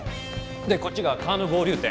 でこっちが川の合流点。